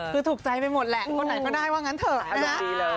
คือถูกใจไปหมดแหละคนไหนก็ได้ว่างั้นเถอะนะฮะ